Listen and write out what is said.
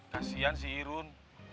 kasian si irun